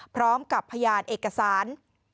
พร้อมกับพยานเอกสาร